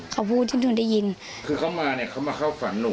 เขาพูดที่หนูได้ยินคือเขามาเนี่ยเขามาเข้าฝันหนู